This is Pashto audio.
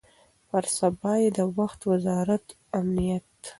او پر سبا یې د وخت وزارت امنیت